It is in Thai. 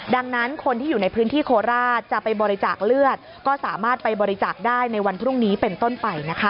ดังนั้นคนที่อยู่ในพื้นที่โคราชจะไปบริจาคเลือดก็สามารถไปบริจาคได้ในวันพรุ่งนี้เป็นต้นไปนะคะ